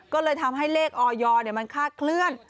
ก็เลยทำให้เลขออยมันคาดเคลื่อน